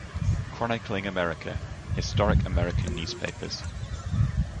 Chronicling America: Historic American Newspapers.